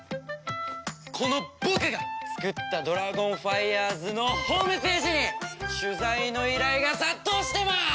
この僕が作ったドラゴンファイヤーズのホームページに取材の依頼が殺到してます！